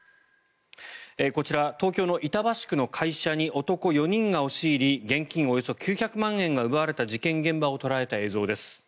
こちら東京の板橋区の会社に男４人が押し入り現金およそ９００万円が奪われた事件現場を捉えた映像です。